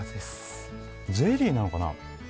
ゼリーなのかな。